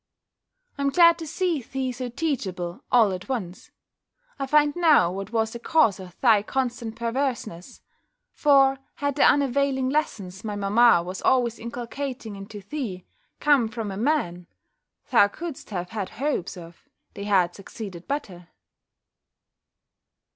"I'm glad to see thee so teachable all at once! I find now what was the cause of thy constant perverseness: for had the unavailing lessons my mamma was always inculcating into thee, come from a man thou couldst have had hopes of, they had succeeded better."